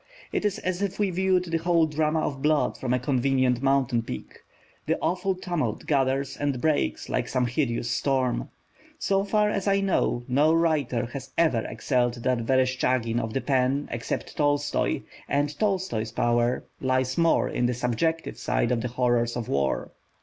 It is as if we viewed the whole drama of blood from a convenient mountain peak. The awful tumult gathers and breaks like some hideous storm. So far as I know no writer has ever excelled this Verestchagin of the pen except Tolstoi and Tolstoi's power lies more in the subjective side of the horrors of war.